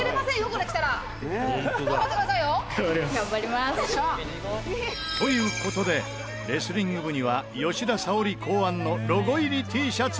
これ着たら」という事でレスリング部には吉田沙保里考案のロゴ入りＴシャツをプレゼント。